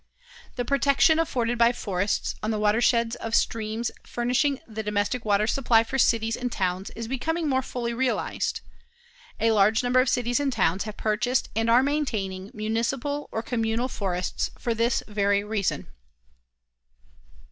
The protection afforded by forests on the water sheds of streams furnishing the domestic water supply for cities and towns is becoming more fully realized. A large number of cities and towns have purchased and are maintaining municipal or communal forests for this very reason.